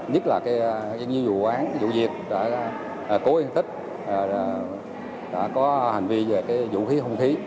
nhất là những vụ án vụ diệt đã cố yên tích đã có hành vi về vũ khí hung khí